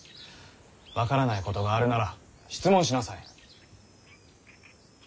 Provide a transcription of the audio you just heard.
分からないことがあるなら質問しなさい。